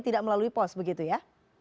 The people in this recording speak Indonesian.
tidak melalui pos begitu ya